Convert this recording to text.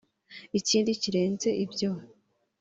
Ikindi kirenze ibyo